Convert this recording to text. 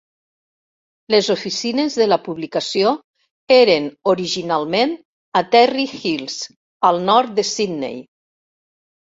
Les oficines de la publicació eren originalment a Terrey Hills, al nord de Sydney.